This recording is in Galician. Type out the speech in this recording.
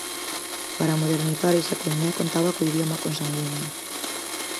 Para modernizar esa koiné contaba co idioma "consanguíneo".